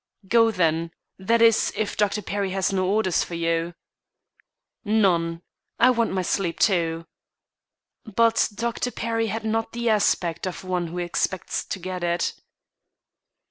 "Go then; that is, if Dr. Perry has no orders for you." "None. I want my sleep, too." But Dr. Perry had not the aspect of one who expects to get it.